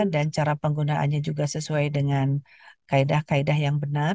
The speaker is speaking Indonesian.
dan cara penggunaannya juga sesuai dengan kaedah kaedah yang benar